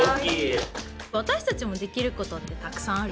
私たちもできることってたくさんある。